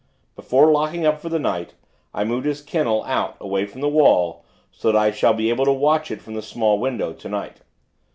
Before locking up, for the night, I moved his kennel out, away from the wall, so that I shall be able to watch it from the small window, tonight.